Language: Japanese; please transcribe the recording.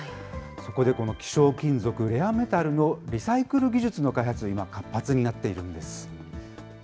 そこで、この希少金属、レアメタルのリサイクル技術の開発が今、活発になっているんです。